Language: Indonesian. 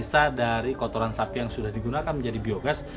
sisa dari kotoran sapi yang sudah digunakan menjadi biogas